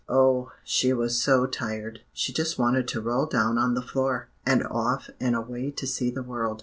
Oh! she was so tired, she just wanted to roll down on the floor, and off and away to see the world.